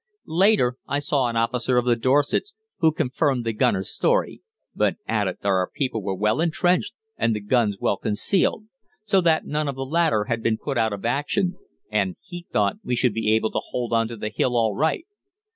Later I saw an officer of the Dorsets, who confirmed the gunner's story, but added that our people were well entrenched and the guns well concealed, so that none of the latter had been put out of action, and he thought we should be able to hold on to the hill all right.